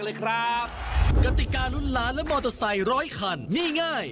และยังมีรางวัลใหญ่รออยู่อีกนาน